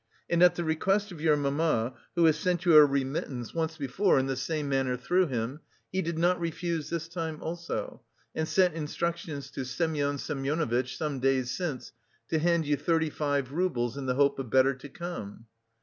And at the request of your mamma, who has sent you a remittance once before in the same manner through him, he did not refuse this time also, and sent instructions to Semyon Semyonovitch some days since to hand you thirty five roubles in the hope of better to come."